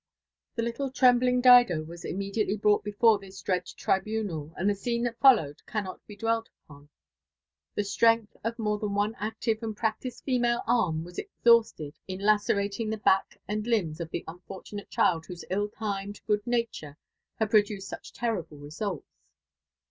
The little trembling Dido waa immediately brdtfght before this dread tribunal , and the scene that followed canncit be dwelt upon. Thestrength of more than one active and practised female artn was esliadsted in la* Wq LIFE AND . AD VCNTURES OF ceittiDg.the back and limbs^of Ihe unfortanate child whose UMimed good nature had produced such terrible results.